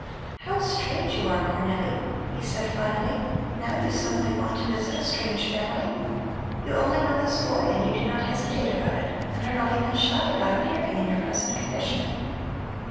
"How strange you are, Cornelli!" he said finally. "Now you suddenly want to visit a strange family. You only know this boy and you do not hesitate about it and are not even shy about appearing in your present condition."